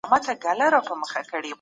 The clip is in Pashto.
موږ به نن عصري او ښه ژوند درلودای.